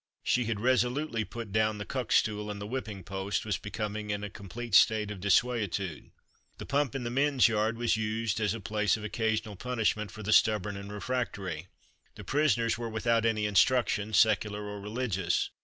She had resolutely put down the cuckstool, and the whipping post was becoming in a complete state of desuetude. A pump in the men's yard was used as a place of occasional punishment for the stubborn and refractory. The prisoners were without any instruction, secular or religious.